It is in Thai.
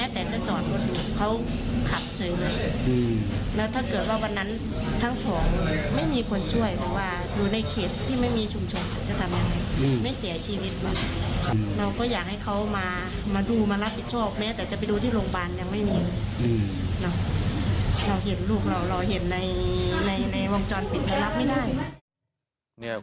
พอเห็นลูกเราเห็นในวงจรติดมารับไม่ได้